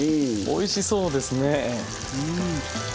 おいしそうですね。